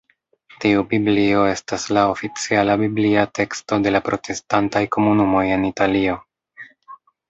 Tiu Biblio estas la oficiala biblia teksto de la protestantaj komunumoj en Italio.